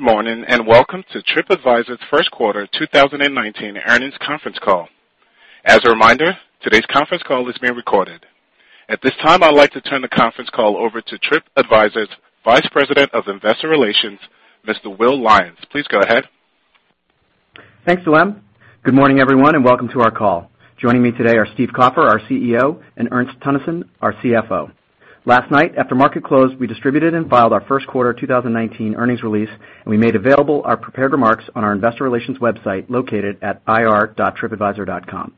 Good morning, welcome to TripAdvisor's first quarter 2019 earnings conference call. As a reminder, today's conference call is being recorded. At this time, I'd like to turn the conference call over to TripAdvisor's Vice President of Investor Relations, Mr. Will Lyons. Please go ahead. Thanks, Will. Good morning, everyone, welcome to our call. Joining me today are Steve Kaufer, our CEO, and Ernst Teunissen, our CFO. Last night, after market close, we distributed and filed our first quarter 2019 earnings release, and we made available our prepared remarks on our investor relations website located at ir.tripadvisor.com.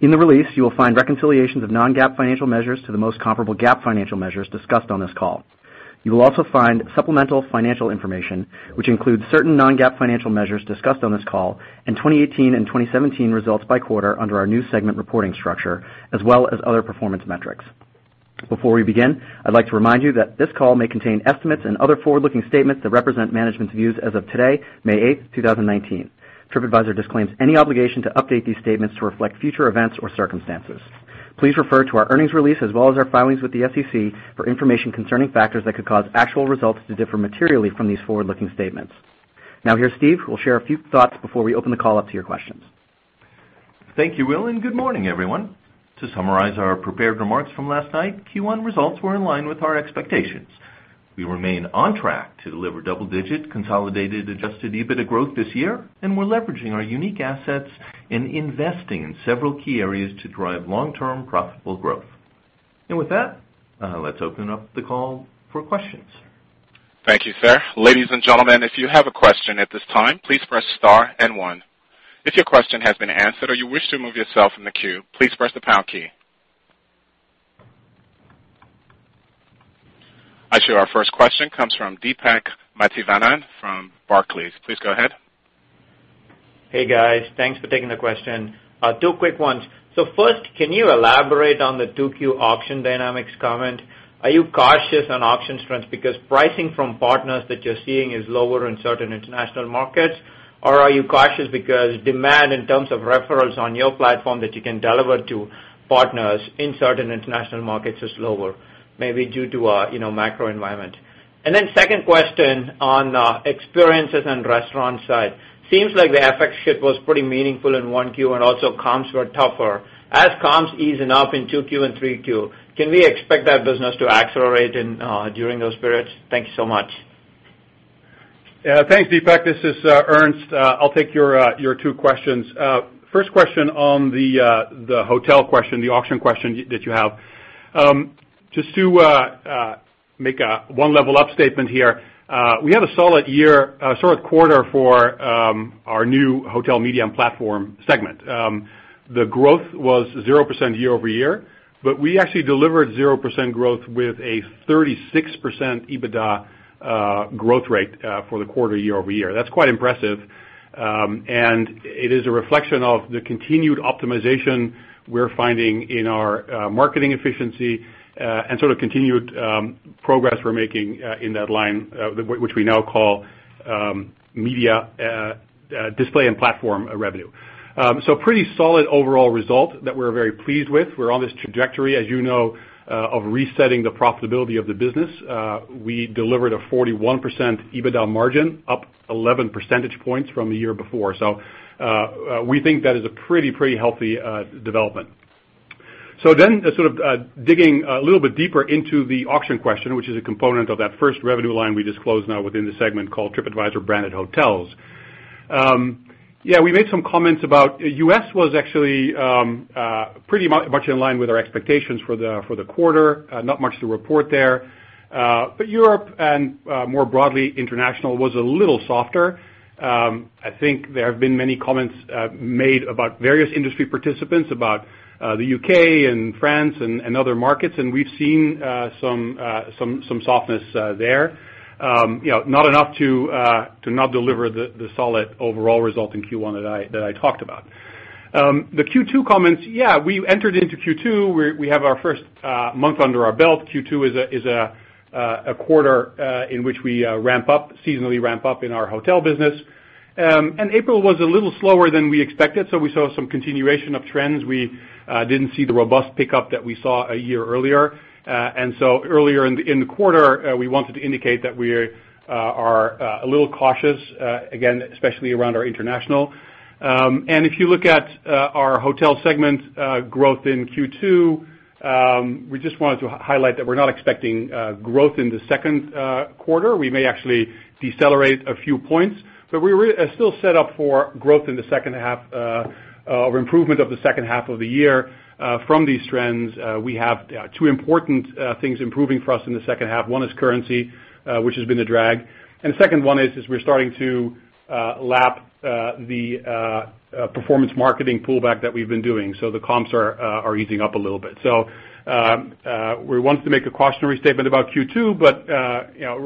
In the release, you will find reconciliations of non-GAAP financial measures to the most comparable GAAP financial measures discussed on this call. You will also find supplemental financial information, which includes certain non-GAAP financial measures discussed on this call in 2018 and 2017 results by quarter under our new segment reporting structure, as well as other performance metrics. Before we begin, I'd like to remind you that this call may contain estimates and other forward-looking statements that represent management's views as of today, May 8, 2019. TripAdvisor disclaims any obligation to update these statements to reflect future events or circumstances. Please refer to our earnings release as well as our filings with the SEC for information concerning factors that could cause actual results to differ materially from these forward-looking statements. Here's Steve, who will share a few thoughts before we open the call up to your questions. Thank you, Will, good morning, everyone. To summarize our prepared remarks from last night, Q1 results were in line with our expectations. We remain on track to deliver double-digit consolidated adjusted EBITDA growth this year, and we're leveraging our unique assets and investing in several key areas to drive long-term profitable growth. With that, let's open up the call for questions. Thank you, sir. Ladies and gentlemen, if you have a question at this time, please press star and one. If your question has been answered or you wish to remove yourself from the queue, please press the pound key. I show our first question comes from Deepak Mathivanan from Barclays. Please go ahead. Hey, guys. Thanks for taking the question. Two quick ones. First, can you elaborate on the 2Q auction dynamics comment? Are you cautious on auction trends because pricing from partners that you're seeing is lower in certain international markets? Or are you cautious because demand in terms of referrals on your platform that you can deliver to partners in certain international markets is lower, maybe due to a macro environment? Second question on experiences and restaurant side. Seems like the FX hit was pretty meaningful in 1Q and also comps were tougher. As comps ease up in 2Q and 3Q, can we expect that business to accelerate during those periods? Thank you so much. Thanks, Deepak. This is Ernst. I'll take your two questions. First question on the hotel question, the auction question that you have. Just to make a one-level-up statement here, we had a solid quarter for our new hotel media and platform segment. The growth was 0% year-over-year, but we actually delivered 0% growth with a 36% EBITDA growth rate for the quarter year-over-year. That's quite impressive, and it is a reflection of the continued optimization we're finding in our marketing efficiency and continued progress we're making in that line, which we now call media display and platform revenue. Pretty solid overall result that we're very pleased with. We're on this trajectory, as you know, of resetting the profitability of the business. We delivered a 41% EBITDA margin, up 11 percentage points from the year before. We think that is a pretty healthy development. Digging a little bit deeper into the auction question, which is a component of that first revenue line we disclose now within the segment called TripAdvisor Branded Hotels. We made some comments about U.S. was actually pretty much in line with our expectations for the quarter. Not much to report there. Europe and more broadly, international, was a little softer. I think there have been many comments made about various industry participants about the U.K. and France and other markets, and we've seen some softness there. Not enough to not deliver the solid overall result in Q1 that I talked about. The Q2 comments, we entered into Q2. We have our first month under our belt. Q2 is a quarter in which we seasonally ramp up in our hotel business. April was a little slower than we expected. We saw some continuation of trends. We didn't see the robust pickup that we saw a year earlier. Earlier in the quarter, we wanted to indicate that we are a little cautious, again, especially around our international. If you look at our hotel segment growth in Q2, we just wanted to highlight that we're not expecting growth in the second quarter. We may actually decelerate a few points, but we're still set up for growth in the second half or improvement of the second half of the year from these trends. We have two important things improving for us in the second half. One is currency, which has been a drag, and the second one is we're starting to lap the performance marketing pullback that we've been doing. The comps are easing up a little bit. We wanted to make a cautionary statement about Q2, but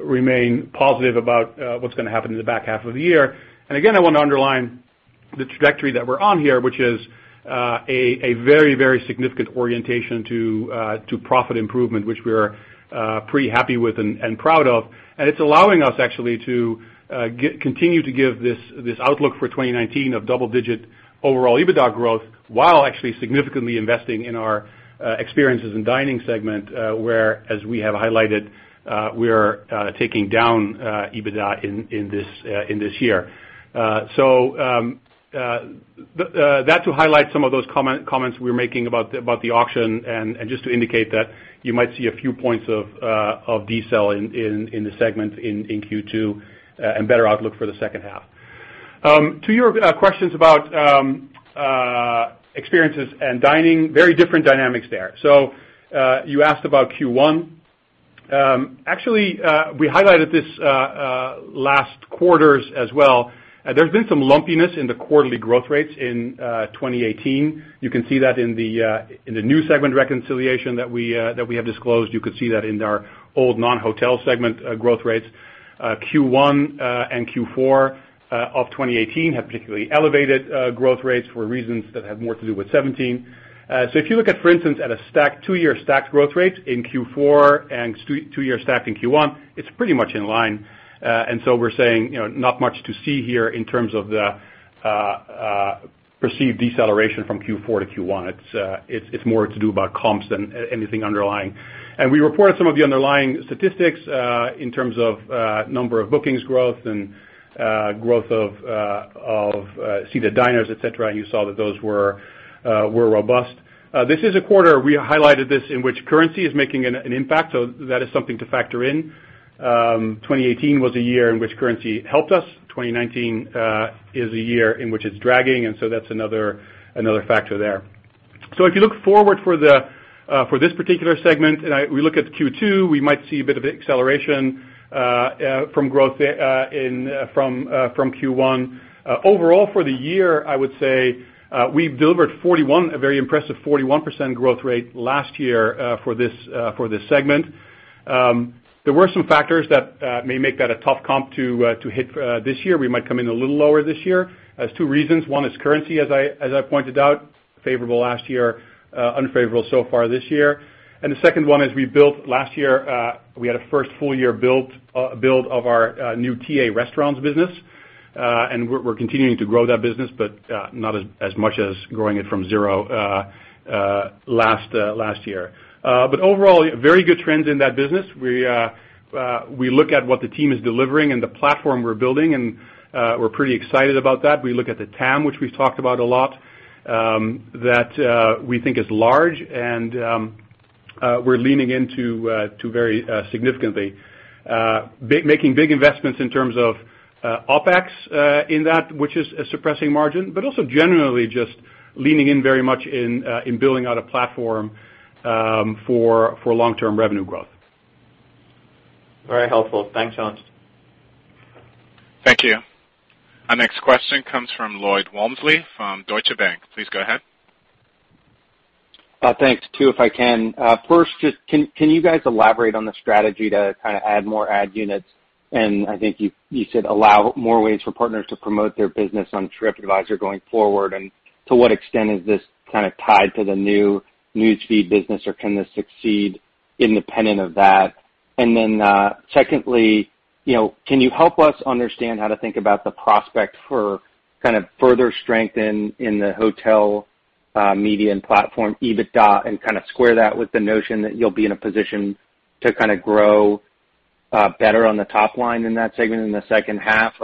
remain positive about what's going to happen in the back half of the year. Again, I want to underline the trajectory that we're on here, which is a very significant orientation to profit improvement, which we're pretty happy with and proud of. It's allowing us actually to continue to give this outlook for 2019 of double-digit overall EBITDA growth while actually significantly investing in our experiences and dining segment where, as we have highlighted, we are taking down EBITDA in this year. That to highlight some of those comments we were making about the auction and just to indicate that you might see a few points of decel in the segment in Q2, and better outlook for the second half. To your questions about experiences and dining, very different dynamics there. You asked about Q1. Actually, we highlighted this last quarters as well. There's been some lumpiness in the quarterly growth rates in 2018. You can see that in the new segment reconciliation that we have disclosed. You could see that in our old non-hotel segment growth rates. Q1 and Q4 of 2018 have particularly elevated growth rates for reasons that have more to do with 2017. If you look at, for instance, at a two-year stacked growth rate in Q4 and two-year stacked in Q1, it's pretty much in line. We're saying, not much to see here in terms of the perceived deceleration from Q4 to Q1. It's more to do about comps than anything underlying. We reported some of the underlying statistics, in terms of number of bookings growth and growth of seated diners, et cetera, and you saw that those were robust. This is a quarter, we highlighted this, in which currency is making an impact. That is something to factor in. 2018 was a year in which currency helped us. 2019 is a year in which it's dragging, and that's another factor there. If you look forward for this particular segment, and we look at Q2, we might see a bit of acceleration from growth from Q1. Overall for the year, I would say, we've delivered a very impressive 41% growth rate last year for this segment. There were some factors that may make that a tough comp to hit this year. We might come in a little lower this year. There's two reasons. One is currency, as I pointed out, favorable last year, unfavorable so far this year. The second one is last year, we had a first full year build of our new Tripadvisor restaurants business. We're continuing to grow that business, but not as much as growing it from zero last year. Overall, very good trends in that business. We look at what the team is delivering and the platform we're building, and we're pretty excited about that. We look at the TAM, which we've talked about a lot, that we think is large and we're leaning into very significantly. Making big investments in terms of OpEx in that which is suppressing margin, but also generally just leaning in very much in building out a platform for long-term revenue growth. Very helpful. Thanks, Ernst. Thank you. Our next question comes from Lloyd Walmsley from Deutsche Bank. Please go ahead. Thanks. Two, if I can. First, can you guys elaborate on the strategy to add more ad units? I think you said allow more ways for partners to promote their business on TripAdvisor going forward, and to what extent is this tied to the new Experiences business, or can this succeed independent of that? Secondly, can you help us understand how to think about the prospect for further strength in the hotel media and platform EBITDA, and square that with the notion that you'll be in a position to grow better on the top line in that segment in the second half?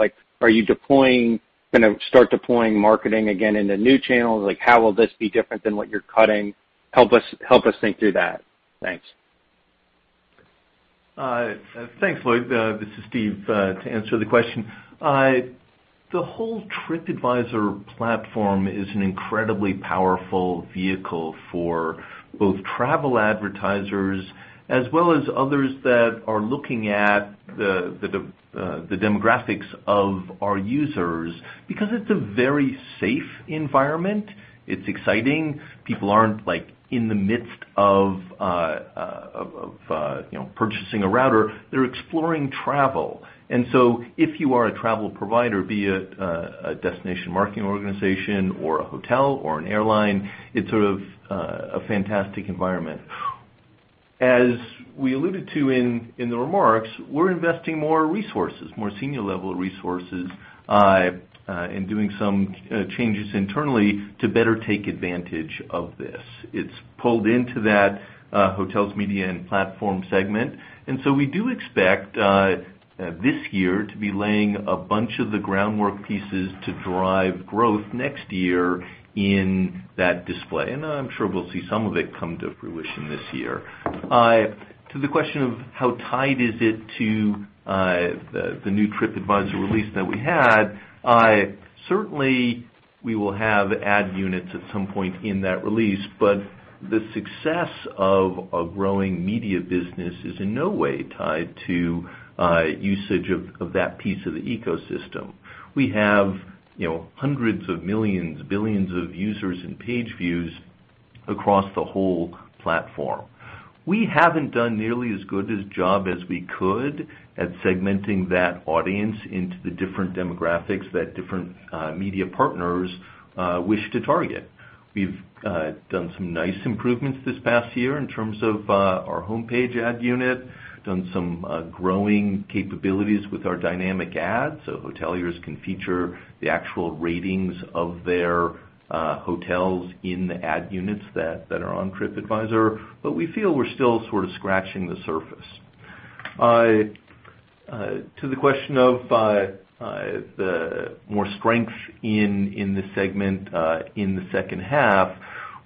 Are you going to start deploying marketing again into new channels? How will this be different than what you're cutting? Help us think through that. Thanks. Thanks, Lloyd. This is Steve, to answer the question. The whole TripAdvisor platform is an incredibly powerful vehicle for both travel advertisers as well as others that are looking at the demographics of our users, because it's a very safe environment. It's exciting. People aren't in the midst of purchasing a router. They're exploring travel. If you are a travel provider, be it a destination marketing organization or a hotel or an airline, it's a fantastic environment. As we alluded to in the remarks, we're investing more resources, more senior level resources, and doing some changes internally to better take advantage of this. It's pulled into that Hotels, Media, and Platform segment. We do expect this year to be laying a bunch of the groundwork pieces to drive growth next year in that display. I'm sure we'll see some of it come to fruition this year. To the question of how tied is it to the new TripAdvisor release that we had, certainly we will have ad units at some point in that release, but the success of a growing media business is in no way tied to usage of that piece of the ecosystem. We have hundreds of millions, billions of users and page views across the whole platform. We haven't done nearly as good a job as we could at segmenting that audience into the different demographics that different media partners wish to target. We've done some nice improvements this past year in terms of our homepage ad unit, done some growing capabilities with our dynamic ads, so hoteliers can feature the actual ratings of their hotels in the ad units that are on TripAdvisor. We feel we're still scratching the surface. To the question of the more strength in this segment in the second half,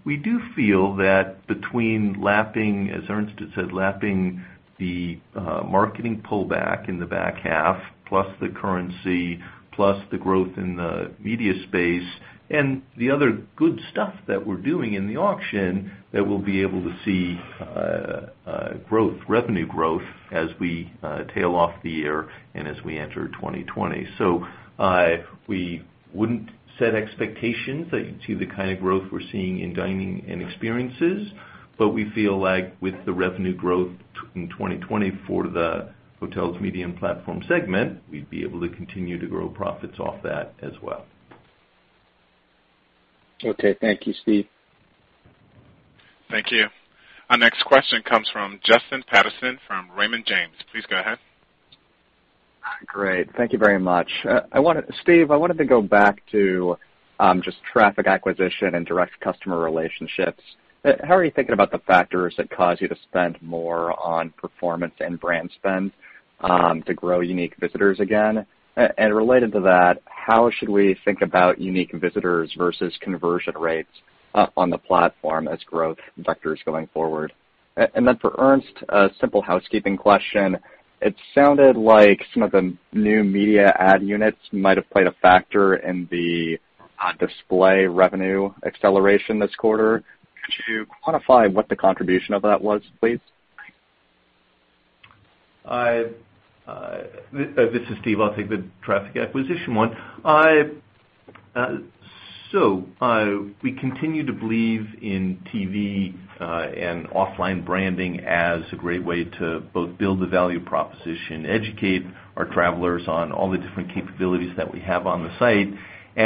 we do feel that between, as Ernst had said, lapping the marketing pullback in the back half, plus the currency, plus the growth in the media space, and the other good stuff that we're doing in the auction, that we'll be able to see revenue growth as we tail off the year and as we enter 2020. We wouldn't set expectations that you'd see the kind of growth we're seeing in dining and experiences, but we feel like with the revenue growth in 2020 for the Hotels, Media, and Platform segment, we'd be able to continue to grow profits off that as well. Okay. Thank you, Steve. Thank you. Our next question comes from Justin Patterson from Raymond James. Please go ahead. Great. Thank you very much. Steve, I wanted to go back to just traffic acquisition and direct customer relationships. How are you thinking about the factors that cause you to spend more on performance and brand spend to grow unique visitors again? Related to that, how should we think about unique visitors versus conversion rates up on the platform as growth vectors going forward? For Ernst, a simple housekeeping question. It sounded like some of the new media ad units might have played a factor in the display revenue acceleration this quarter. Could you quantify what the contribution of that was, please? This is Steve. I'll take the traffic acquisition one. We continue to believe in TV and offline branding as a great way to both build the value proposition, educate our travelers on all the different capabilities that we have on the site.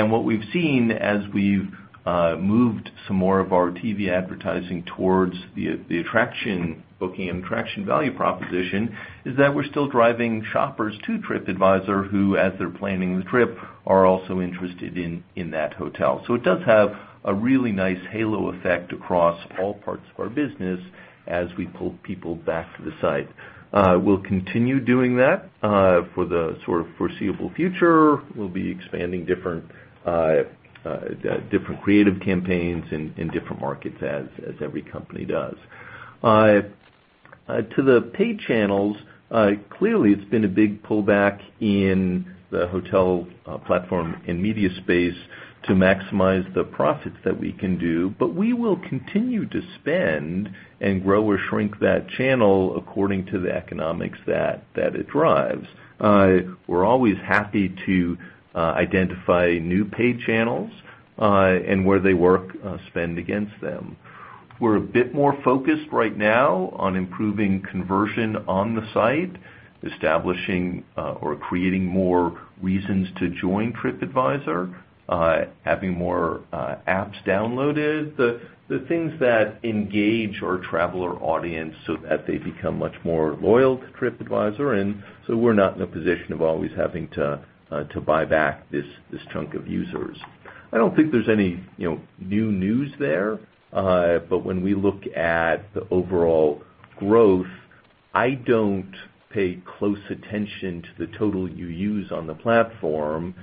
What we've seen as we've moved some more of our TV advertising towards the attraction booking and traction value proposition is that we're still driving shoppers to TripAdvisor who, as they're planning the trip, are also interested in that hotel. It does have a really nice halo effect across all parts of our business as we pull people back to the site. We'll continue doing that for the foreseeable future. We'll be expanding different creative campaigns in different markets as every company does. To the paid channels, clearly it's been a big pullback in the hotel platform and media space to maximize the profits that we can do. We will continue to spend and grow or shrink that channel according to the economics that it drives. We're always happy to identify new paid channels, and where they work, spend against them. We're a bit more focused right now on improving conversion on the site, establishing or creating more reasons to join TripAdvisor, having more apps downloaded, the things that engage our traveler audience so that they become much more loyal to TripAdvisor. We're not in a position of always having to buy back this chunk of users. I don't think there's any new news there. When we look at the overall growth, I don't pay close attention to the total UUs on the platform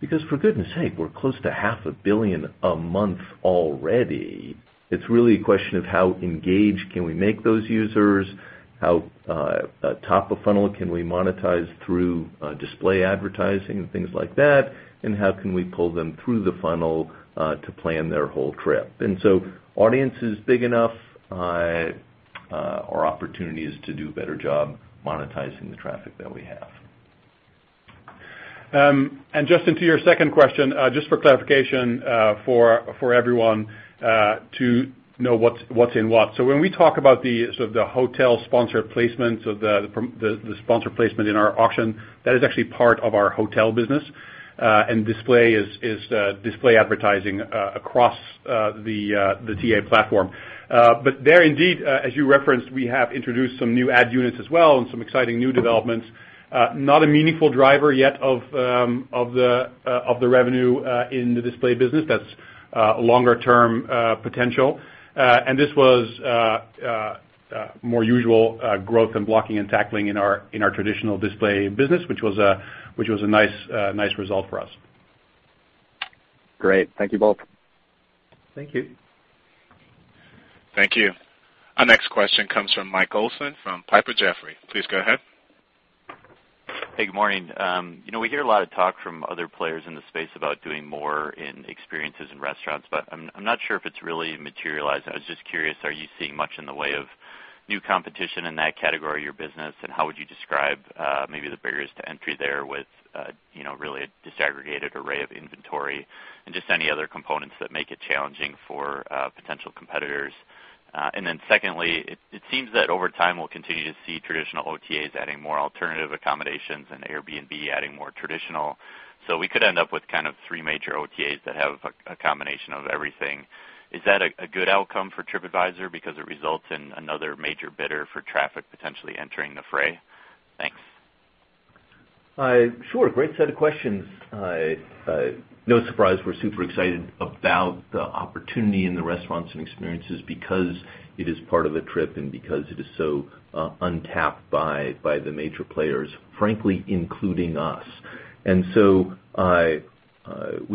because, for goodness' sake, we're close to half a billion a month already. It's really a question of how engaged can we make those users? How top of funnel can we monetize through display advertising and things like that, and how can we pull them through the funnel to plan their whole trip? Audience is big enough. Our opportunity is to do a better job monetizing the traffic that we have. Justin, to your second question, just for clarification for everyone to know what's in what. When we talk about the hotel sponsor placements or the sponsor placement in our auction, that is actually part of our hotel business. Display is display advertising across the TA platform. There indeed, as you referenced, we have introduced some new ad units as well and some exciting new developments. Not a meaningful driver yet of the revenue in the display business. That's a longer-term potential. This was more usual growth and blocking and tackling in our traditional display business, which was a nice result for us. Great. Thank you both. Thank you. Thank you. Our next question comes from Mike Olson from Piper Jaffray. Please go ahead. Hey, good morning. We hear a lot of talk from other players in the space about doing more in experiences in restaurants, but I'm not sure if it's really materialized. I was just curious, are you seeing much in the way of new competition in that category of your business, and how would you describe maybe the barriers to entry there with really a disaggregated array of inventory? Just any other components that make it challenging for potential competitors. Secondly, it seems that over time, we'll continue to see traditional OTAs adding more alternative accommodations and Airbnb adding more traditional, so we could end up with three major OTAs that have a combination of everything. Is that a good outcome for TripAdvisor because it results in another major bidder for traffic potentially entering the fray? Sure. Great set of questions. No surprise, we're super excited about the opportunity in the restaurants and experiences because it is part of a trip and because it is so untapped by the major players, frankly, including us. We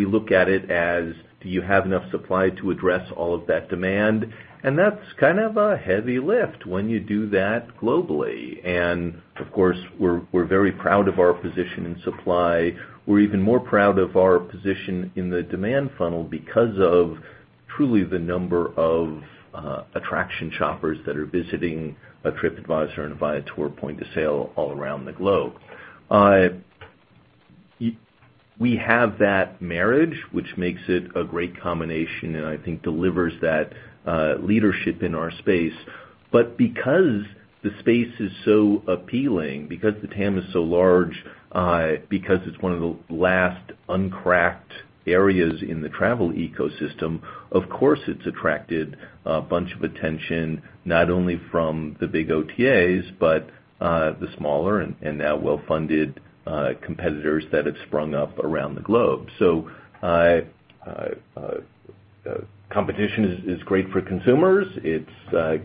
look at it as, do you have enough supply to address all of that demand? That's a heavy lift when you do that globally. Of course, we're very proud of our position in supply. We're even more proud of our position in the demand funnel because of truly the number of attraction shoppers that are visiting a TripAdvisor and Viator point of sale all around the globe. We have that marriage, which makes it a great combination, I think delivers that leadership in our space. Because the space is so appealing, because the TAM is so large, because it's one of the last uncracked areas in the travel ecosystem, of course, it's attracted a bunch of attention, not only from the big OTAs, but the smaller and now well-funded competitors that have sprung up around the globe. Competition is great for consumers. It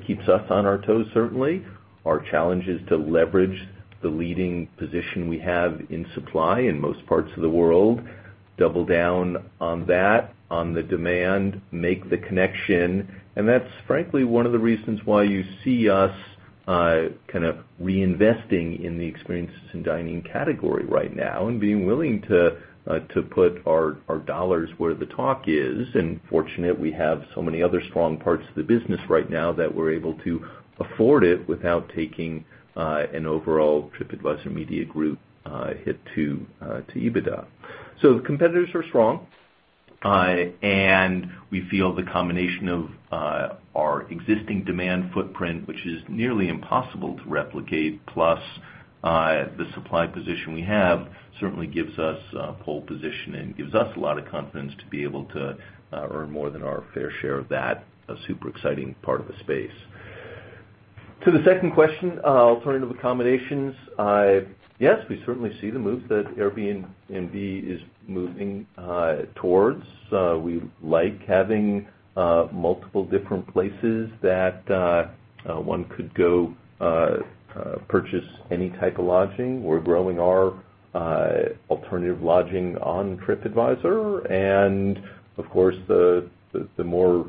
keeps us on our toes, certainly. Our challenge is to leverage the leading position we have in supply in most parts of the world, double down on that, on the demand, make the connection, that's frankly one of the reasons why you see us reinvesting in the experiences and dining category right now and being willing to put our $ where the talk is, fortunate we have so many other strong parts of the business right now that we're able to afford it without taking an overall TripAdvisor Media Group hit to EBITDA. The competitors are strong, we feel the combination of our existing demand footprint, which is nearly impossible to replicate, plus the supply position we have certainly gives us pole position and gives us a lot of confidence to be able to earn more than our fair share of that super exciting part of the space. To the second question, alternative accommodations, yes, we certainly see the move that Airbnb is moving towards. We like having multiple different places that one could go purchase any type of lodging. We're growing our alternative lodging on TripAdvisor, of course, the more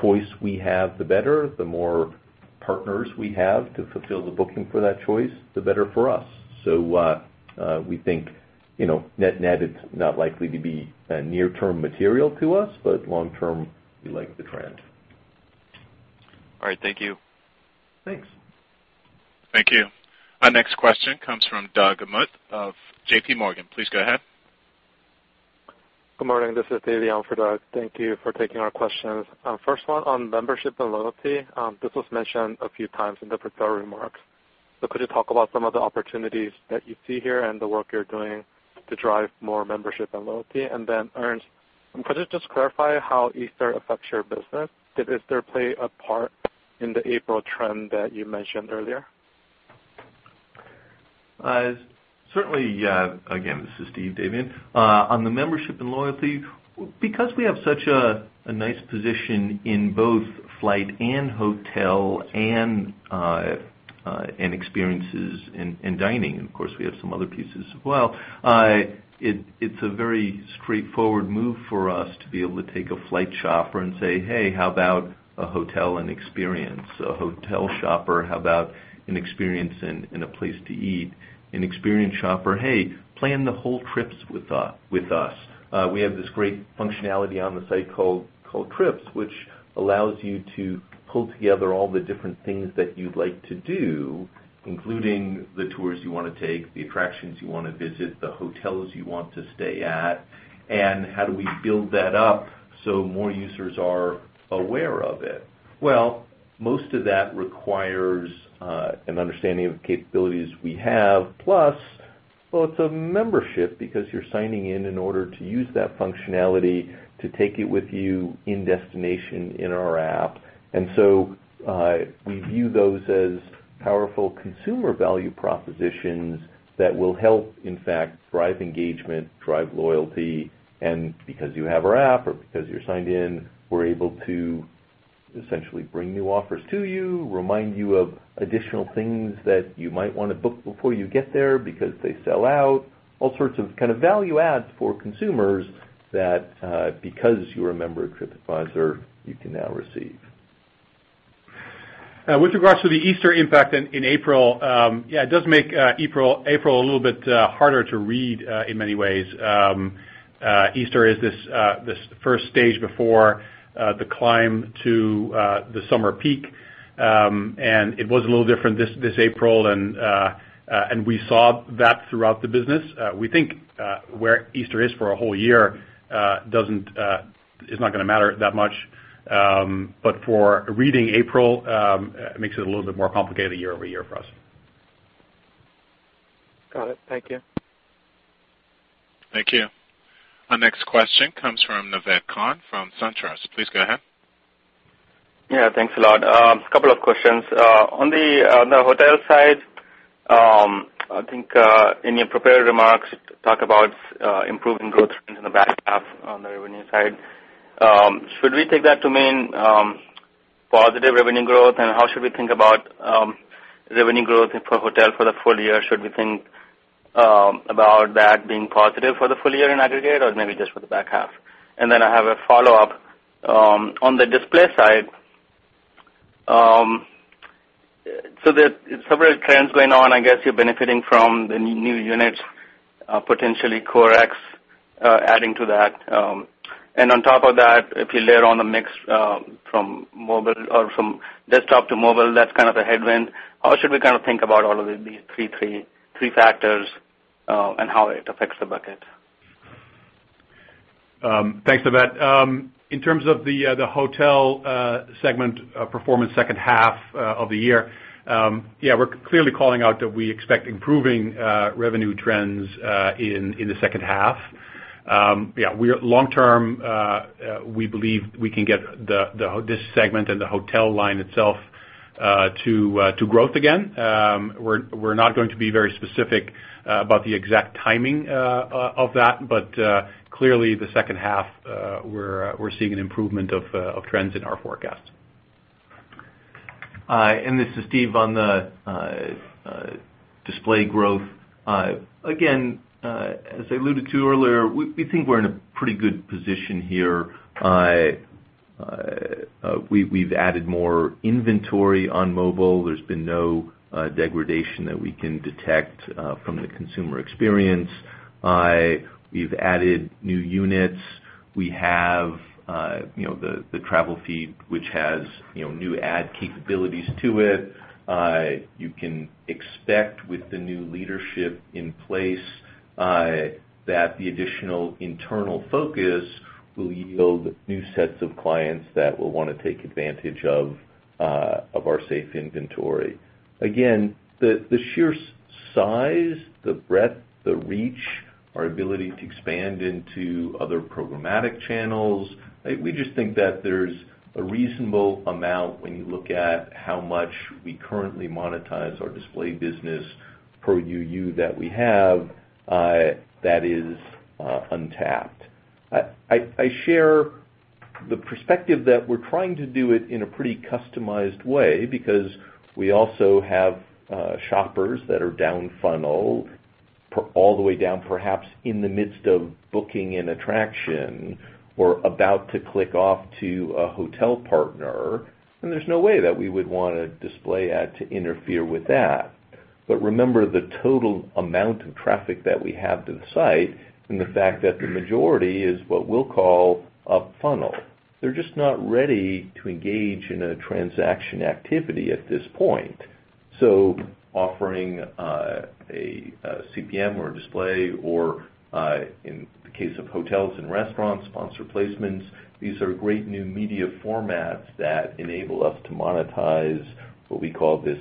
choice we have, the better. The more partners we have to fulfill the booking for that choice, the better for us. We think net, it's not likely to be near-term material to us, but long term, we like the trend. All right. Thank you. Thanks. Thank you. Our next question comes from Doug Anmuth of J.P. Morgan. Please go ahead. Good morning. This is Davian for Doug. Thank you for taking our questions. First one on membership and loyalty. This was mentioned a few times in the prepared remarks. Could you talk about some of the opportunities that you see here and the work you're doing to drive more membership and loyalty? Then Ernst, could you just clarify how Easter affects your business? Did Easter play a part in the April trend that you mentioned earlier? Certainly. Again, this is Steve, Davian. On the membership and loyalty, because we have such a nice position in both flight and hotel and experiences in dining, of course, we have some other pieces as well, it's a very straightforward move for us to be able to take a flight shopper and say, "Hey, how about a hotel and experience?" A hotel shopper, "How about an experience and a place to eat?" An experience shopper, "Hey, plan the whole Trips with us." We have this great functionality on the site called Trips, which allows you to pull together all the different things that you'd like to do, including the tours you want to take, the attractions you want to visit, the hotels you want to stay at, and how do we build that up so more users are aware of it? Well, most of that requires an understanding of the capabilities we have, plus, well, it's a membership because you're signing in in order to use that functionality to take it with you in destination in our app. We view those as powerful consumer value propositions that will help, in fact, drive engagement, drive loyalty, and because you have our app or because you're signed in, we're able to essentially bring new offers to you, remind you of additional things that you might want to book before you get there because they sell out. All sorts of value adds for consumers that because you're a member of TripAdvisor, you can now receive. With regards to the Easter impact in April, yeah, it does make April a little bit harder to read in many ways. Easter is this first stage before the climb to the summer peak, and it was a little different this April, and we saw that throughout the business. We think where Easter is for a whole year is not going to matter that much. For reading April, it makes it a little bit more complicated year-over-year for us. Got it. Thank you. Thank you. Our next question comes from Naved Khan from SunTrust. Please go ahead. Yeah, thanks a lot. A couple of questions. On the hotel side, I think in your prepared remarks, you talk about improving growth trends in the back half on the revenue side. Should we take that to mean positive revenue growth? How should we think about revenue growth for hotel for the full year? Should we think about that being positive for the full year in aggregate or maybe just for the back half? I have a follow-up. On the display side, there's several trends going on. I guess you're benefiting from the new units, potentially Core Experience adding to that. On top of that, if you layer on the mix from desktop to mobile, that's kind of a headwind. How should we think about all of these three factors and how it affects the bucket? Thanks, Naved. In terms of the hotel segment performance second half of the year, we're clearly calling out that we expect improving revenue trends in the second half. Long term, we believe we can get this segment and the hotel line itself to growth again. We're not going to be very specific about the exact timing of that, but clearly the second half, we're seeing an improvement of trends in our forecast. This is Steve on the display growth. Again, as I alluded to earlier, we think we're in a pretty good position here. We've added more inventory on mobile. There's been no degradation that we can detect from the consumer experience. We've added new units. We have the travel feed, which has new ad capabilities to it. You can expect with the new leadership in place that the additional internal focus will yield new sets of clients that will want to take advantage of our safe inventory. Again, the sheer size, the breadth, the reach, our ability to expand into other programmatic channels, we just think that there's a reasonable amount when you look at how much we currently monetize our display business per UU that we have that is untapped. I share the perspective that we're trying to do it in a pretty customized way because we also have shoppers that are down funnel all the way down, perhaps in the midst of booking an attraction or about to click off to a hotel partner, and there's no way that we would want a display ad to interfere with that. Remember the total amount of traffic that we have to the site and the fact that the majority is what we'll call up funnel. They're just not ready to engage in a transaction activity at this point. Offering a CPM or a display or, in the case of hotels and restaurants, sponsor placements, these are great new media formats that enable us to monetize what we call this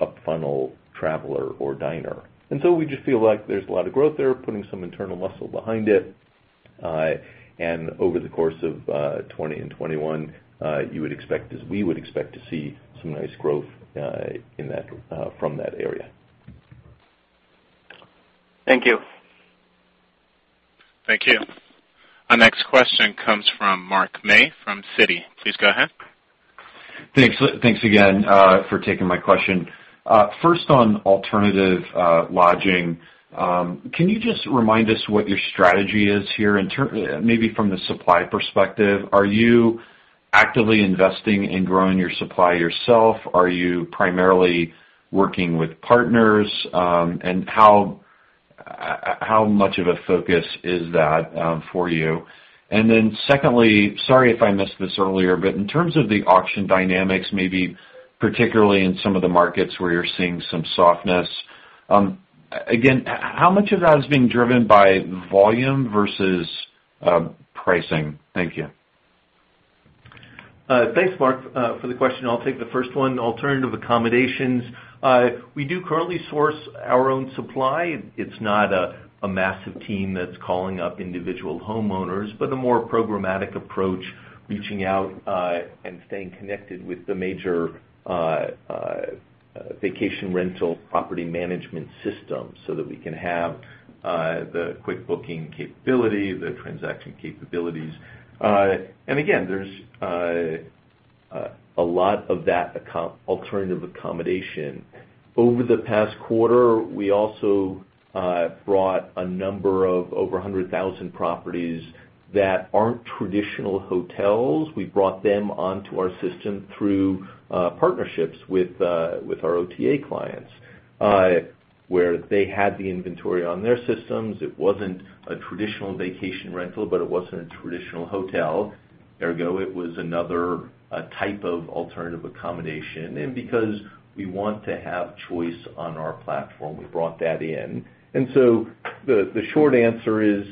up funnel traveler or diner. We just feel like there's a lot of growth there, putting some internal muscle behind it. Over the course of 2020 and 2021, you would expect, as we would expect, to see some nice growth from that area. Thank you. Thank you. Our next question comes from Mark May from Citi. Please go ahead. Thanks again for taking my question. First on alternative lodging, can you just remind us what your strategy is here from the supply perspective, are you actively investing in growing your supply yourself? Are you primarily working with partners? How much of a focus is that for you? Secondly, sorry if I missed this earlier, but in terms of the auction dynamics, maybe particularly in some of the markets where you're seeing some softness, again, how much of that is being driven by volume versus pricing? Thank you. Thanks, Mark, for the question. I'll take the first one, alternative accommodations. We do currently source our own supply. It's not a massive team that's calling up individual homeowners, but a more programmatic approach, reaching out and staying connected with the major vacation rental property management system so that we can have the quick booking capability, the transaction capabilities. Again, there's a lot of that alternative accommodation. Over the past quarter, we also brought a number of over 100,000 properties that aren't traditional hotels. We brought them onto our system through partnerships with our OTA clients, where they had the inventory on their systems. It wasn't a traditional vacation rental, but it wasn't a traditional hotel. Ergo, it was another type of alternative accommodation. Because we want to have choice on our platform, we brought that in. The short answer is,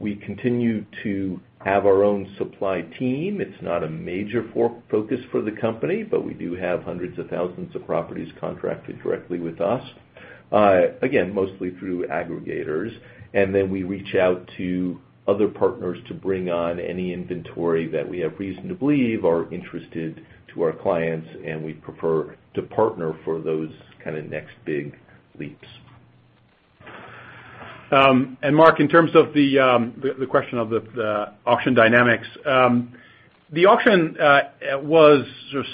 we continue to have our own supply team. It's not a major focus for the company, but we do have hundreds of thousands of properties contracted directly with us. Again, mostly through aggregators, we reach out to other partners to bring on any inventory that we have reason to believe are of interest to our clients, and we prefer to partner for those kind of next big leaps. Mark, in terms of the question of the auction dynamics, the auction was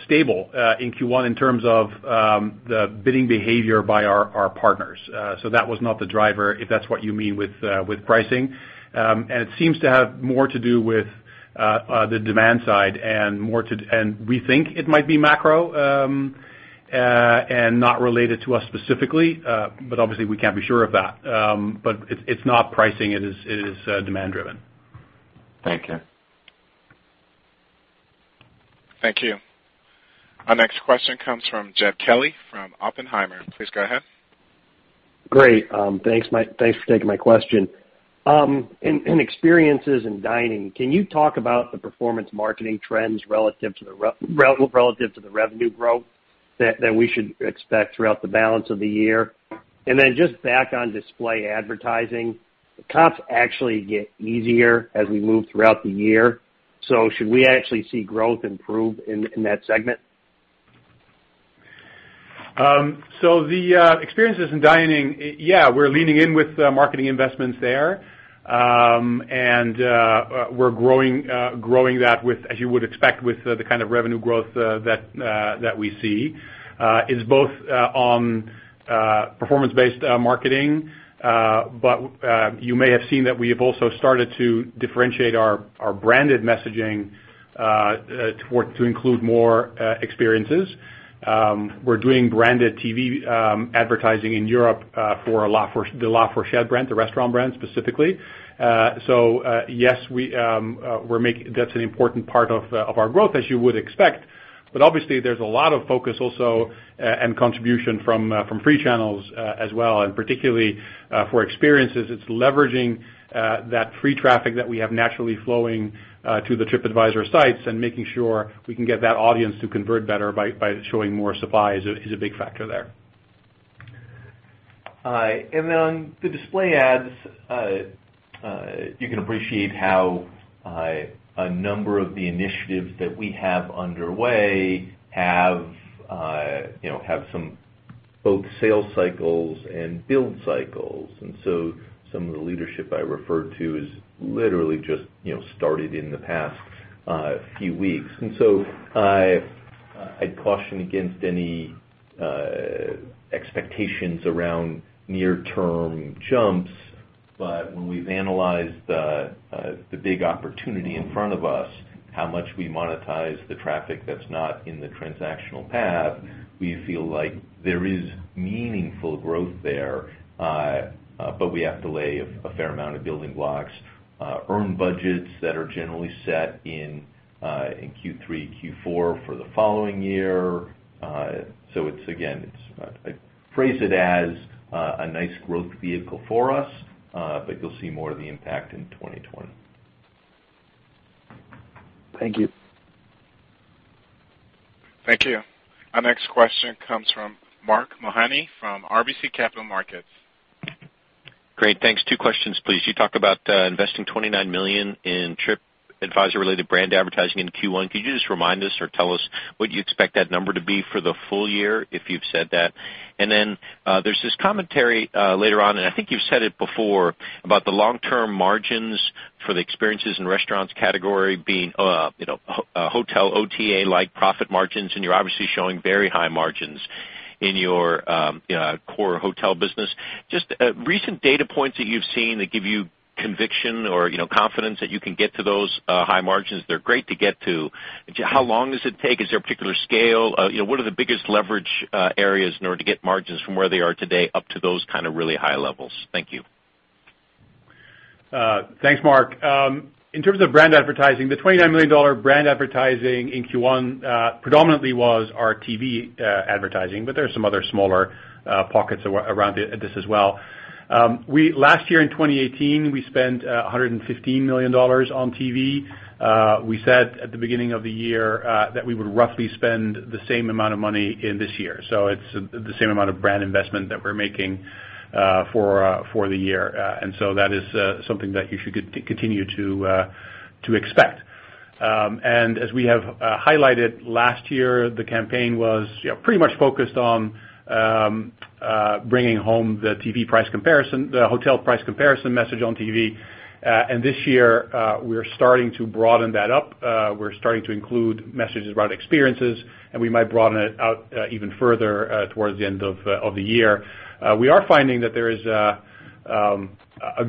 stable in Q1 in terms of the bidding behavior by our partners. That was not the driver, if that's what you mean with pricing. It seems to have more to do with the demand side and we think it might be macro, and not related to us specifically, but obviously we can't be sure of that. It's not pricing, it is demand driven. Thank you. Thank you. Our next question comes from Jed Kelly from Oppenheimer. Please go ahead. Great, thanks for taking my question. In experiences in dining, can you talk about the performance marketing trends relative to the revenue growth that we should expect throughout the balance of the year? Just back on display advertising, do comps actually get easier as we move throughout the year? Should we actually see growth improve in that segment? The experiences in dining, yeah, we're leaning in with marketing investments there, and we're growing that with, as you would expect, with the kind of revenue growth that we see. It's both on performance-based marketing, you may have seen that we have also started to differentiate our branded messaging, to include more experiences. We're doing branded TV advertising in Europe for the La Fourchette brand, the restaurant brand specifically. Yes, that's an important part of our growth, as you would expect. Obviously there's a lot of focus also and contribution from free channels as well, and particularly for experiences, it's leveraging that free traffic that we have naturally flowing to the TripAdvisor sites and making sure we can get that audience to convert better by showing more supply is a big factor there. On the display ads, you can appreciate how a number of the initiatives that we have underway have some both sales cycles and build cycles. Some of the leadership I referred to has literally just started in the past few weeks. I'd caution against any expectations around near term jumps, when we've analyzed the big opportunity in front of us, how much we monetize the traffic that's not in the transactional path, we feel like there is meaningful growth there, we have to lay a fair amount of building blocks, earn budgets that are generally set in Q3, Q4 for the following year. Again, I phrase it as a nice growth vehicle for us, you'll see more of the impact in 2020. Thank you. Thank you. Our next question comes from Mark Mahaney from RBC Capital Markets. Great, thanks. Two questions, please. You talked about investing $29 million in TripAdvisor related brand advertising in Q1. Could you just remind us or tell us what you expect that number to be for the full year, if you've said that? There's this commentary later on, and I think you've said it before, about the long-term margins for the experiences and restaurants category being a hotel OTA-like profit margins, and you're obviously showing very high margins in your core hotel business. Just recent data points that you've seen that give you conviction or confidence that you can get to those high margins. They're great to get to. How long does it take? Is there a particular scale? What are the biggest leverage areas in order to get margins from where they are today up to those kind of really high levels? Thank you. Thanks, Mark. In terms of brand advertising, the $29 million brand advertising in Q1 predominantly was our TV advertising, but there are some other smaller pockets around this as well. Last year in 2018, we spent $115 million on TV. We said at the beginning of the year that we would roughly spend the same amount of money in this year. It's the same amount of brand investment that we're making for the year. That is something that you should continue to expect. As we have highlighted last year, the campaign was pretty much focused on bringing home the hotel price comparison message on TV, and this year, we're starting to broaden that up. We're starting to include messages around experiences, and we might broaden it out even further towards the end of the year. We are finding that there is a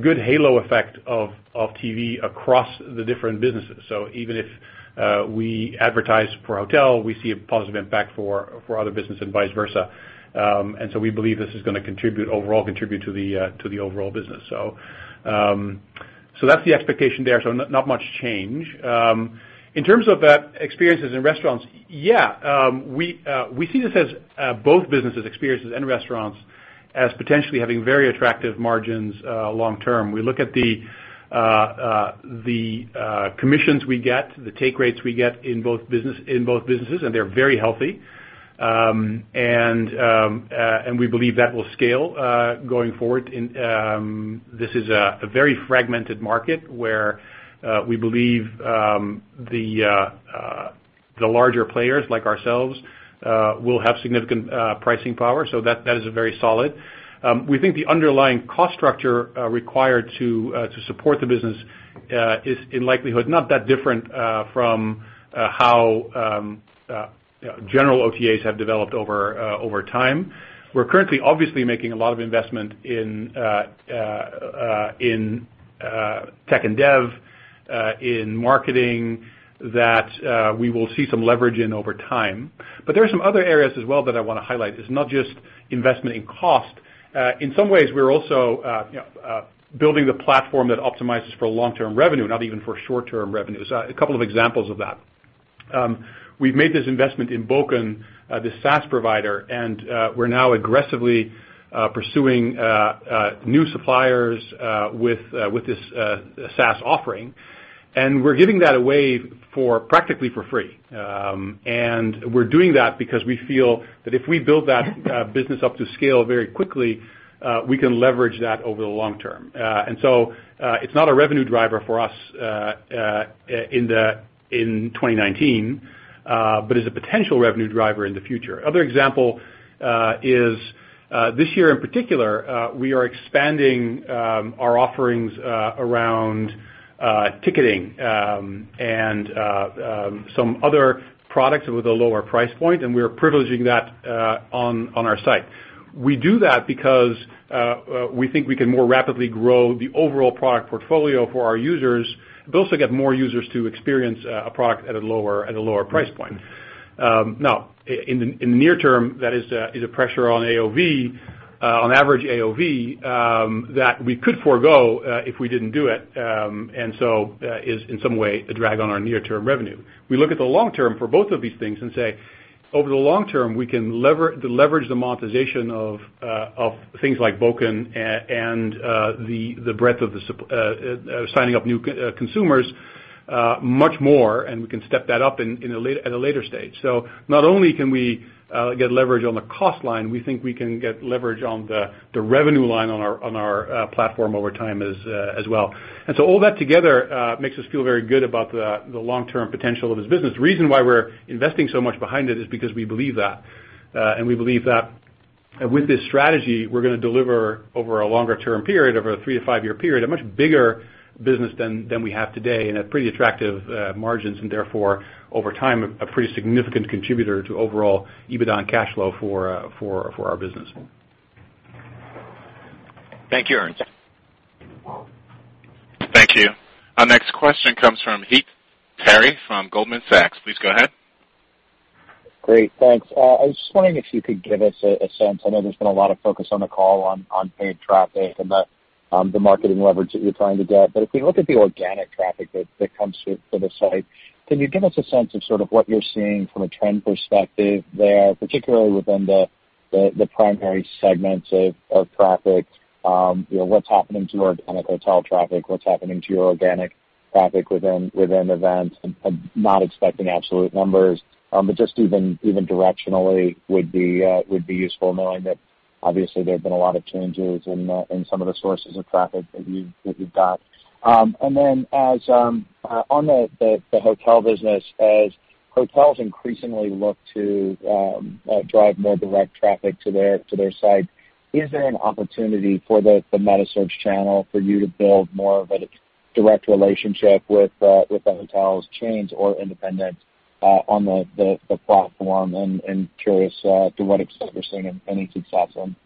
good halo effect of TV across the different businesses. Even if we advertise for hotel, we see a positive impact for other business and vice versa. We believe this is going to overall contribute to the overall business. That's the expectation there, not much change. In terms of experiences in restaurants, yeah, we see this as both businesses, experiences and restaurants, as potentially having very attractive margins long term. We look at the commissions we get, the take rates we get in both businesses, and they're very healthy. We believe that will scale going forward. This is a very fragmented market where we believe the larger players like ourselves will have significant pricing power. That is very solid. We think the underlying cost structure required to support the business is in likelihood not that different from how general OTAs have developed over time. We're currently obviously making a lot of investment in tech and dev, in marketing that we will see some leverage in over time. There are some other areas as well that I want to highlight. It's not just investment in cost. In some ways, we're also building the platform that optimizes for long-term revenue, not even for short-term revenue. A couple of examples of that. We've made this investment in Bokun, the SaaS provider, and we're now aggressively pursuing new suppliers with this SaaS offering, and we're giving that away practically for free. We're doing that because we feel that if we build that business up to scale very quickly, we can leverage that over the long term. It's not a revenue driver for us in 2019, but is a potential revenue driver in the future. Other example is this year in particular, we are expanding our offerings around ticketing, and some other products with a lower price point, and we are privileging that on our site. We do that because we think we can more rapidly grow the overall product portfolio for our users, but also get more users to experience a product at a lower price point. In the near term, that is a pressure on AOV, on average AOV, that we could forgo if we didn't do it, and so is in some way a drag on our near-term revenue. We look at the long term for both of these things and say, over the long term, we can leverage the monetization of things like Bokun and the breadth of signing up new consumers much more, and we can step that up at a later stage. Not only can we get leverage on the cost line, we think we can get leverage on the revenue line on our platform over time as well. All that together makes us feel very good about the long-term potential of this business. The reason why we're investing so much behind it is because we believe that, and we believe that with this strategy, we're going to deliver over a longer term period, over a 3 to 5-year period, a much bigger business than we have today and at pretty attractive margins, and therefore over time, a pretty significant contributor to overall EBIT and cash flow for our business. Thank you, Ernst. Thank you. Our next question comes from Heath Terry from Goldman Sachs. Please go ahead. Great. Thanks. I was just wondering if you could give us a sense, I know there's been a lot of focus on the call on paid traffic and the marketing leverage that you're trying to get. If we look at the organic traffic that comes through for the site, can you give us a sense of sort of what you're seeing from a trend perspective there, particularly within the primary segments of traffic? What's happening to organic hotel traffic? What's happening to your organic traffic within events? I'm not expecting absolute numbers, but just even directionally would be useful knowing that obviously there have been a lot of changes in some of the sources of traffic that you've got. Then on the hotel business, as hotels increasingly look to drive more direct traffic to their site, is there an opportunity for the meta search channel for you to build more of a direct relationship with the hotels, chains, or independents on the platform. Curious to what extent you're seeing any success on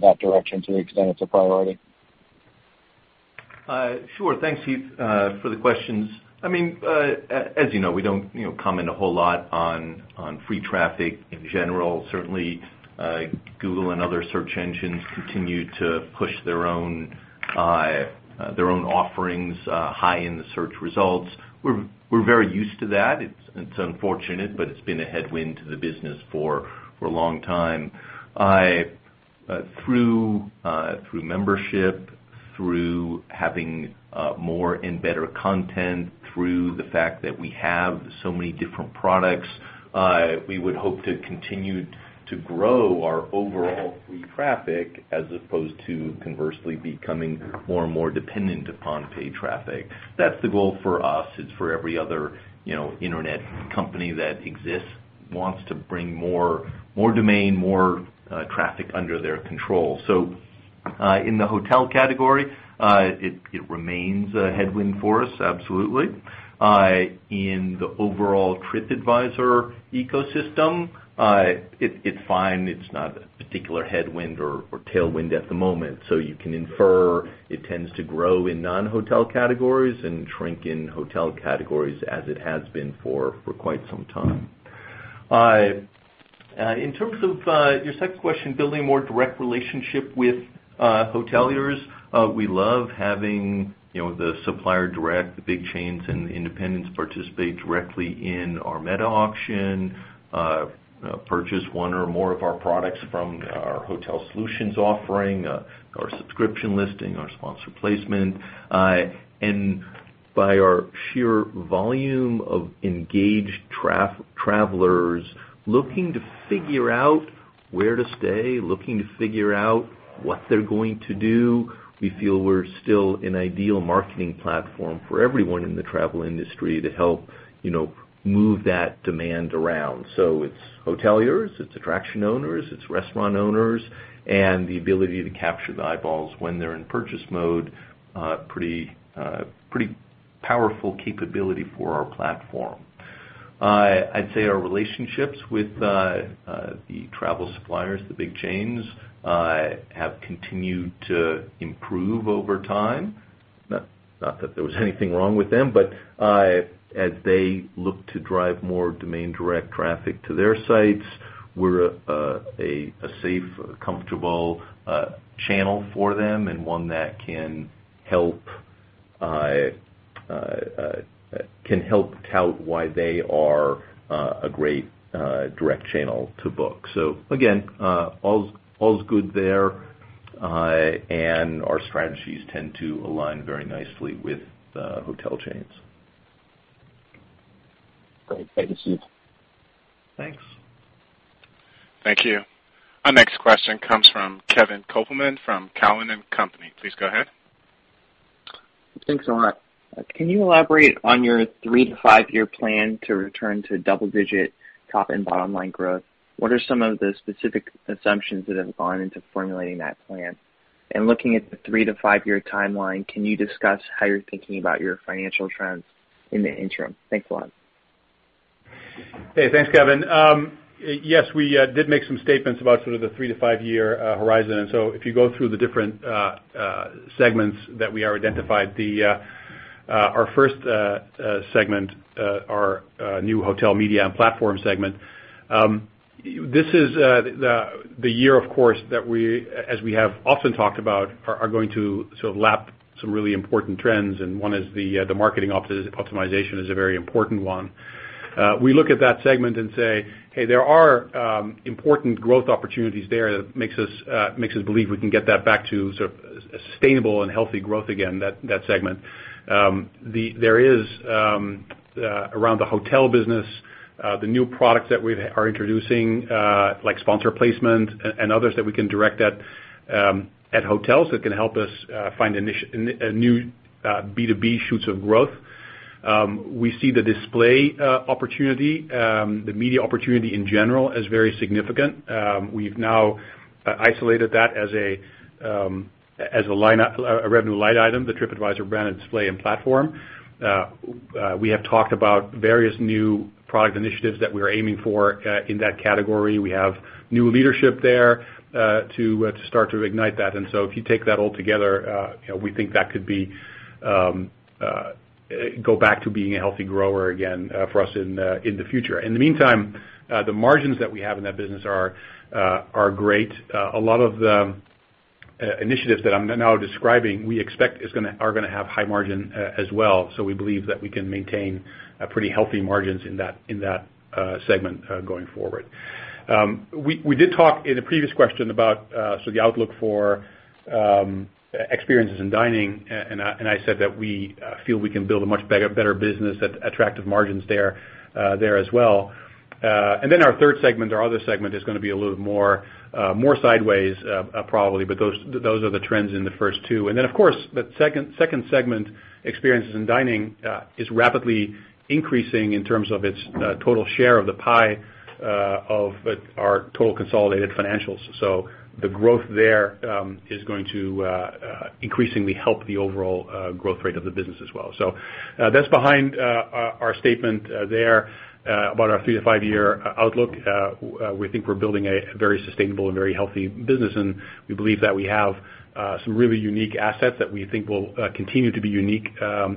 that direction to the extent it's a priority. Thanks, Heath, for the questions. As you know, we don't comment a whole lot on free traffic in general. Certainly Google and other search engines continue to push their own offerings high in the search results. We're very used to that. It's unfortunate, but it's been a headwind to the business for a long time. Through membership, through having more and better content, through the fact that we have so many different products, we would hope to continue to grow our overall free traffic as opposed to conversely becoming more and more dependent upon paid traffic. That's the goal for us. It's for every other internet company that exists wants to bring more domain, more traffic under their control. In the hotel category, it remains a headwind for us, absolutely. In the overall TripAdvisor ecosystem, it's fine. It's not a particular headwind or tailwind at the moment. You can infer it tends to grow in non-hotel categories and shrink in hotel categories as it has been for quite some time. In terms of your second question, building a more direct relationship with hoteliers, we love having the supplier direct the big chains and the independents participate directly in our meta auction, purchase one or more of our products from our hotel solutions offering, our subscription listing, our sponsor placement. By our sheer volume of engaged travelers looking to figure out where to stay, looking to figure out what they're going to do. We feel we're still an ideal marketing platform for everyone in the travel industry to help move that demand around. It's hoteliers, it's attraction owners, it's restaurant owners, and the ability to capture the eyeballs when they're in purchase mode, pretty powerful capability for our platform. I'd say our relationships with the travel suppliers, the big chains, have continued to improve over time. Not that there was anything wrong with them, but as they look to drive more domain direct traffic to their sites, we're a safe, comfortable channel for them and one that can help tout why they are a great direct channel to book. Again, all's good there. Our strategies tend to align very nicely with hotel chains. Great. Thank you. Thanks. Thank you. Our next question comes from Kevin Kopelman from Cowen and Company. Please go ahead. Thanks a lot. Can you elaborate on your three to five-year plan to return to double-digit top and bottom line growth? What are some of the specific assumptions that have gone into formulating that plan? Looking at the three to five-year timeline, can you discuss how you're thinking about your financial trends in the interim? Thanks a lot. Hey, thanks, Kevin. Yes, we did make some statements about sort of the three to five-year horizon. If you go through the different segments that we already identified, our first segment, our new Hotel Media and Platform segment. This is the year, of course, that as we have often talked about, are going to sort of lap some really important trends. One is the marketing optimization is a very important one. We look at that segment and say, "Hey, there are important growth opportunities there that makes us believe we can get that back to sort of a sustainable and healthy growth again, that segment." There is, around the hotel business, the new products that we are introducing, like sponsor placement and others that we can direct at hotels that can help us find new B2B shoots of growth. We see the display opportunity, the media opportunity in general, as very significant. We've now isolated that as a revenue line item, the TripAdvisor Branded Display and Platform. We have talked about various new product initiatives that we're aiming for in that category. We have new leadership there to start to ignite that. If you take that all together, we think that could go back to being a healthy grower again for us in the future. In the meantime, the margins that we have in that business are great. A lot of the initiatives that I'm now describing, we expect are going to have high margin as well. We believe that we can maintain pretty healthy margins in that segment going forward. We did talk in a previous question about the outlook for experiences in dining, I said that we feel we can build a much better business at attractive margins there as well. Our third segment, our other segment, is going to be a little more sideways, probably, but those are the trends in the first two. Of course, that second segment, experiences in dining, is rapidly increasing in terms of its total share of the pie of our total consolidated financials. The growth there is going to increasingly help the overall growth rate of the business as well. That's behind our statement there about our three to five-year outlook. We think we're building a very sustainable and very healthy business, we believe that we have some really unique assets that we think will continue to be unique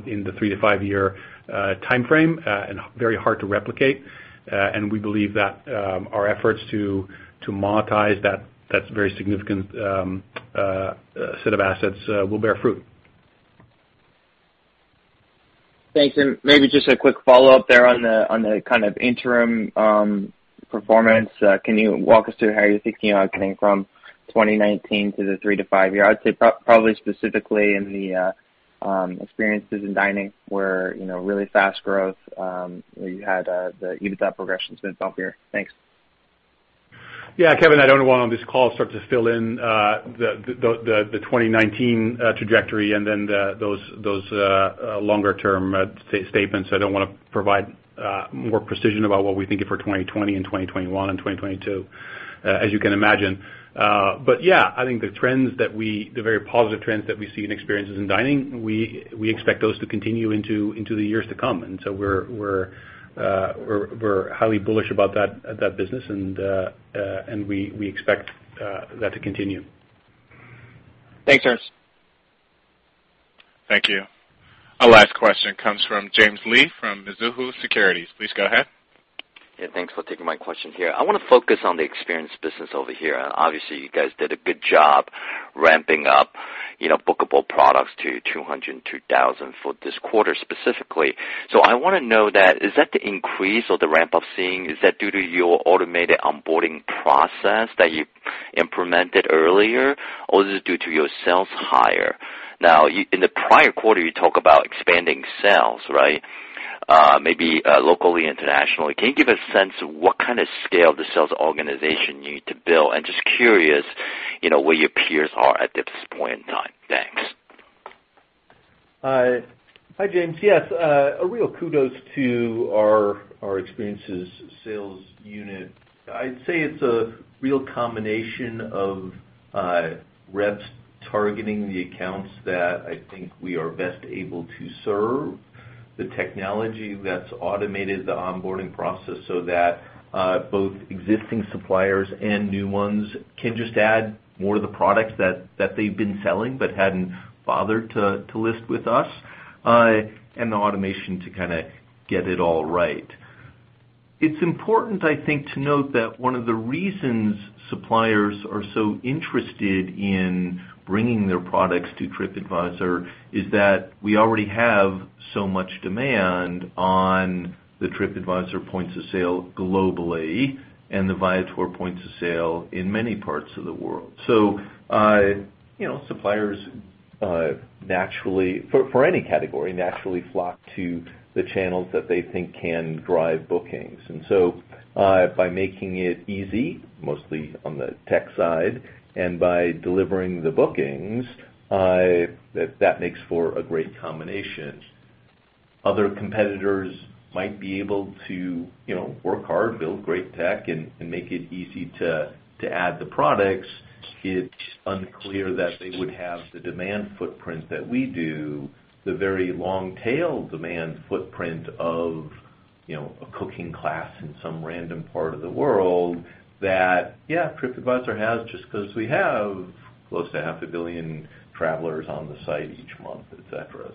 in the three to five-year timeframe, very hard to replicate. We believe that our efforts to monetize that very significant set of assets will bear fruit. Thanks. Maybe just a quick follow-up there on the kind of interim performance. Can you walk us through how you're thinking about getting from 2019 to the three to five year? I'd say probably specifically in the experiences in dining, where really fast growth, where you had the EBITDA progression has been bumpier. Thanks. Yeah, Kevin, I don't want on this call start to fill in the 2019 trajectory and then those longer-term statements. I don't want to provide more precision about what we're thinking for 2020 and 2021 and 2022, as you can imagine. Yeah, I think the very positive trends that we see in experiences in dining, we expect those to continue into the years to come. We're highly bullish about that business, and we expect that to continue. Thanks, Ernst. Thank you. Our last question comes from James Lee from Mizuho Securities. Please go ahead. Yeah, thanks for taking my question here. I want to focus on the Experiences business over here. Obviously, you guys did a good job ramping up bookable products to 202,000 for this quarter specifically. I want to know that, is that the increase or the ramp up seeing, is that due to your automated onboarding process that you implemented earlier, or is it due to your sales hire? Now, in the prior quarter, you talk about expanding sales, right? Maybe locally, internationally. Can you give a sense of what kind of scale the sales organization you need to build? Just curious, where your peers are at this point in time. Thanks. Hi, James. Yes, a real kudos to our experiences sales unit. I'd say it's a real combination of reps targeting the accounts that I think we are best able to serve, the technology that's automated the onboarding process so that both existing suppliers and new ones can just add more of the products that they've been selling but hadn't bothered to list with us, and the automation to get it all right. It's important, I think, to note that one of the reasons suppliers are so interested in bringing their products to TripAdvisor is that we already have so much demand on the TripAdvisor points of sale globally, and the Viator points of sale in many parts of the world. Suppliers, for any category, naturally flock to the channels that they think can drive bookings. By making it easy, mostly on the tech side, and by delivering the bookings, that makes for a great combination. Other competitors might be able to work hard, build great tech, and make it easy to add the products. It's unclear that they would have the demand footprint that we do, the very long-tail demand footprint of a cooking class in some random part of the world that, yeah, TripAdvisor has just because we have close to half a billion travelers on the site each month, et cetera.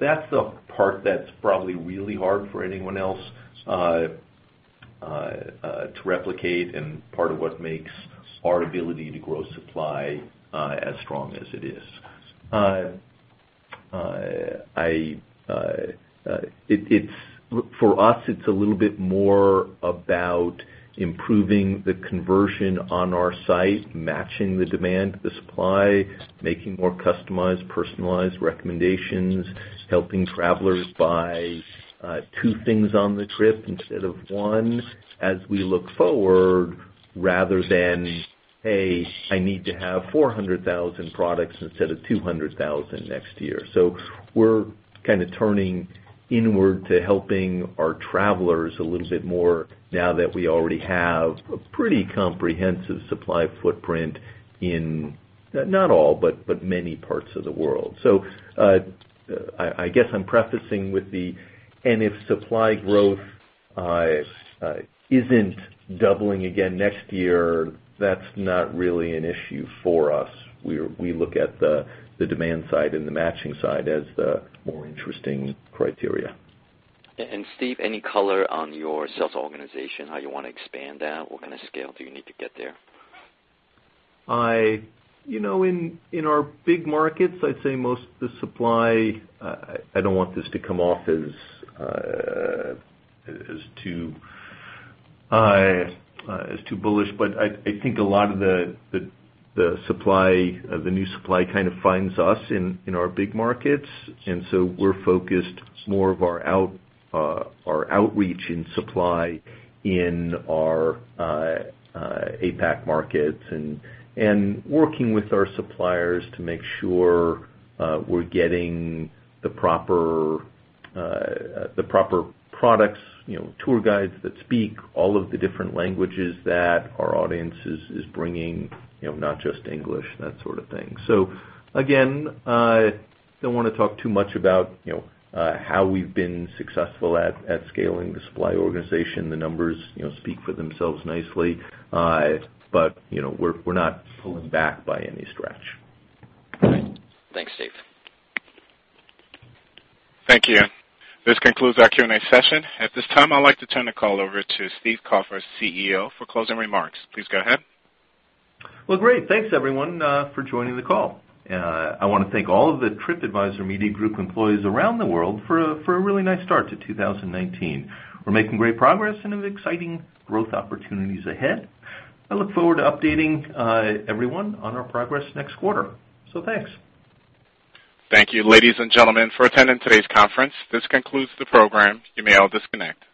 That's the part that's probably really hard for anyone else to replicate and part of what makes our ability to grow supply as strong as it is. For us, it's a little bit more about improving the conversion on our site, matching the demand, the supply, making more customized, personalized recommendations, helping travelers buy two things on the trip instead of one as we look forward, rather than, "Hey, I need to have 400,000 products instead of 200,000 next year." We're kind of turning inward to helping our travelers a little bit more now that we already have a pretty comprehensive supply footprint in, not all, but many parts of the world. I guess I'm prefacing with the And if supply growth isn't doubling again next year, that's not really an issue for us. We look at the demand side and the matching side as the more interesting criteria. Steve, any color on your sales organization, how you want to expand that? What kind of scale do you need to get there? In our big markets, I'd say most of the supply, I don't want this to come off as too bullish, but I think a lot of the new supply kind of finds us in our big markets. We're focused more of our outreach and supply in our APAC markets, and working with our suppliers to make sure we're getting the proper products, tour guides that speak all of the different languages that our audience is bringing, not just English, that sort of thing. Again, don't want to talk too much about how we've been successful at scaling the supply organization. The numbers speak for themselves nicely. We're not pulling back by any stretch. All right. Thanks, Steve. Thank you. This concludes our Q&A session. At this time, I'd like to turn the call over to Steve Kaufer, CEO, for closing remarks. Please go ahead. Great. Thanks, everyone, for joining the call. I want to thank all of the TripAdvisor Media Group employees around the world for a really nice start to 2019. We're making great progress and have exciting growth opportunities ahead. I look forward to updating everyone on our progress next quarter. Thanks. Thank you, ladies and gentlemen, for attending today's conference. This concludes the program. You may all disconnect.